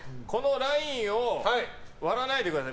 ラインを割らないでください。